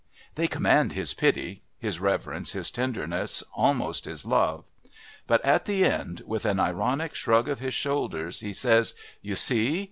They command his pity, his reverence, his tenderness, almost his love. But at the end, with an ironic shrug of his shoulders, he says: "You see.